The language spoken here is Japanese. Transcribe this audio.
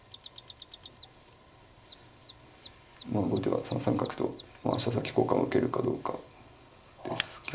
まあ後手は３三角と飛車先交換を受けるかどうかですけど。